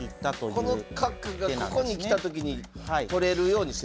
この角がここに来た時に取れるようにしてる。